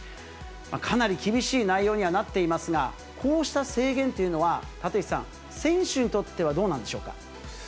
かなり厳しい内容にはなっていますが、こうした制限というのは、立石さん、選手にとってはどうなんでしょうか。